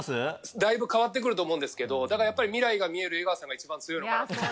だいぶ変わってくると思うんですけど未来が見える江川さんが一番強いかなと。